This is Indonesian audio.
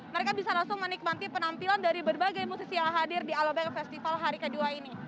mereka bisa langsung menikmati penampilan dari berbagai musisi yang hadir di alobank festival hari kedua ini